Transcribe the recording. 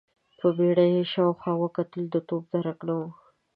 په بيړه يې شاوخوا وکتل، د توپ درک نه و.